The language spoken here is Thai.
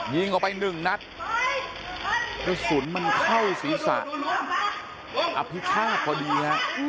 ยิงออกไปหนึ่งนัดกระสุนมันเข้าศีรษะอภิชาติพอดีฮะ